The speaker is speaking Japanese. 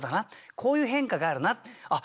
こういう変化があるなあっ